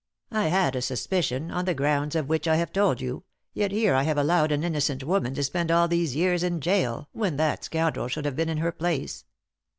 I had a suspicion, on the grounds of which I have told you, yet here I have allowed an innocent woman to spend all these years in gaol, when that scoundrel should have been in her place."